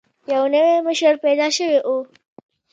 یو نوی مشر پیدا شوی وو.